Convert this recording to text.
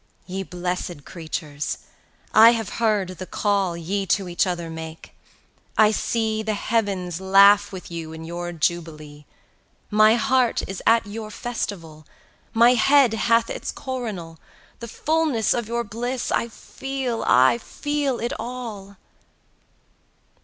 Ye blessèd creatures, I have heard the call Ye to each other make; I see The heavens laugh with you in your jubilee; My heart is at your festival, 40 My head hath its coronal, The fulness of your bliss, I feel—I feel it all.